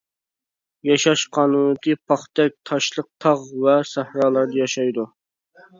ياشاش قانۇنىيىتى پاختەك تاشلىق تاغ ۋە سەھرالاردا ياشايدۇ.